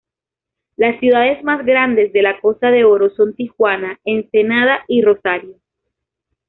Las ciudades más grandes de la Costa de Oro son Tijuana, Ensenada y Rosarito.